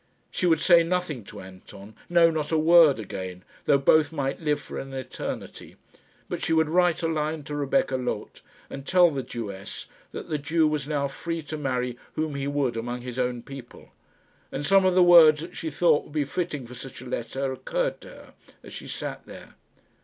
She would say nothing to Anton no, not a word again, though both might live for an eternity; but she would write a line to Rebecca Loth, and tell the Jewess that the Jew was now free to marry whom he would among his own people. And some of the words that she thought would be fitting for such a letter occurred to her as she sat there.